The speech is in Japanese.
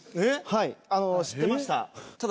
はい知ってました。